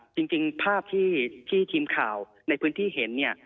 จริงภาพที่ทีมข่าวในพื้นที่เห็นเนี่ย